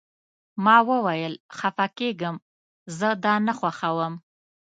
ما وویل: خفه کیږم، زه دا نه خوښوم.